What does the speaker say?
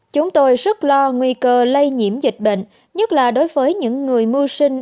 chúng tôi rất lo nguy cơ lây nhiễm dịch bệnh nhất là đối với những người mưu sinh